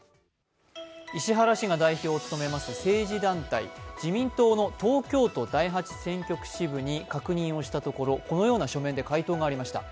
石原氏が代表を務めます政治団体、自民党の東京都第八選挙区支部に確認をしたところ、このような書面で回答がありました。